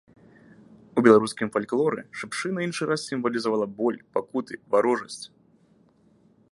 У беларускім фальклоры шыпшына іншы раз сімвалізавала боль, пакуты, варожасць.